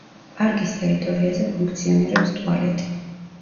პარკის ტერიტორიაზე ფუნქციონირებს ტუალეტი.